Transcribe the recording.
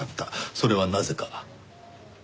それはなぜか？